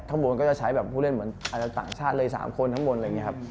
ข้างบนก็จะใช้แบบผู้เล่นเหมือนอาจจะต่างชาติเลย๓คนข้างบนอะไรอย่างนี้ครับ